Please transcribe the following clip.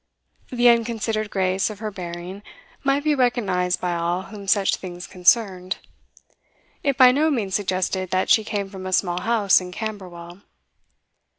The unconsidered grace of her bearing might be recognised by all whom such things concerned; it by no means suggested that she came from a small house in Camberwell.